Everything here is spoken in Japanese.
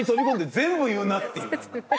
全部言うなっていう。